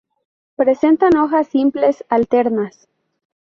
Presentan hojas simples, alternas.